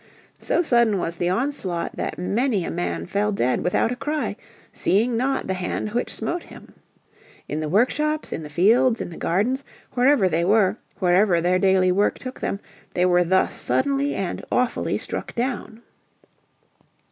So sudden was the onslaught that many a man fell dead without a cry, seeing not the hand which smote him. In the workshops, in the fields, in the gardens, wherever they were, wherever their daily work took them, they were thus suddenly and awfully struck down.